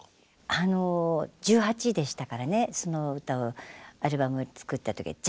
あの１８でしたからねそのアルバムを作った時は。